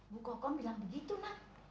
bu kokom bilang begitu nak